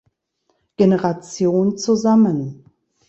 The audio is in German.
Generation zusammen.